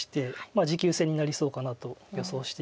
持久戦になりそうかなと予想しているんですが。